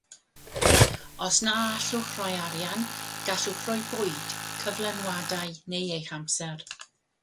Os na allwch roi arian, gallwch roi bwyd, cyflenwadau neu eich amser.